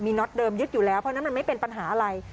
น็อตเดิมยึดอยู่แล้วเพราะฉะนั้นมันไม่เป็นปัญหาอะไร